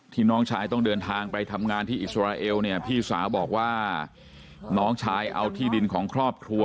น้องชายต้องเดินทางไปทำงานที่อิสราเอลเนี่ยพี่สาวบอกว่าน้องชายเอาที่ดินของครอบครัว